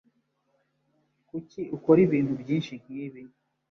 Kuki ukora ibintu byinshi nkibi?